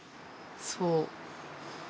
そう。